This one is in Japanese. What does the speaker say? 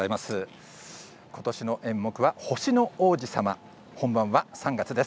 ことしの演目は星の王子さま本番は３月です。